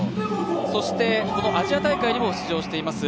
そして、このアジア大会にも出場しています